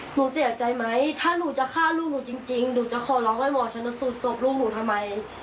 หนูเสียใจไหมถ้าหนูจะฆ่าลูกหนูจริงหนูจะขอร้องให้หมอชนสูตรศพลูกหนูทำไม